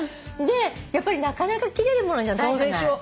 やっぱりなかなか切れるものじゃないじゃない？